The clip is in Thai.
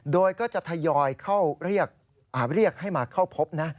โดยก็จะทยอยเข้าเรียกให้มาเข้าพบนะ